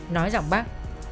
nói giọng bắc